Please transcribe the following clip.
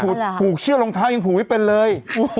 ผูกเชือกรองเท้ายังผูกไม่เป็นเลย